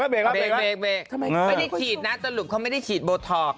ไม่ได้ฉีดนะตลกเขาไม่ได้ฉีดโบท็อก